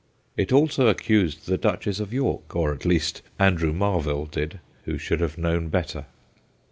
It also accused the Duchess of York, or at least Andrew Marvell did, who should have known better.